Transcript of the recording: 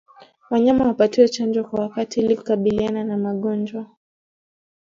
Wanyama wapatiwe chanjo kwa wakati ila kukabiliana na magonjwa